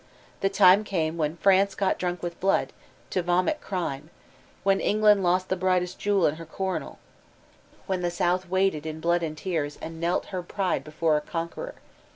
The time came when "France got drunk with blood, to vomit crime," when England "lost the brightest jewel in her coronal," when the South waded in blood and tears and knelt her pride before a 404 VOLTAIRINE DE ClEYRE conqueror.